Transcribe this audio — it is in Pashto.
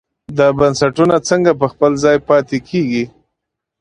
دا بنسټونه څنګه په خپل ځای پاتې کېږي.